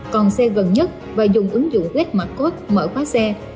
còn xe gần nhất và dùng ứng dụng quét mặt code mở khóa xe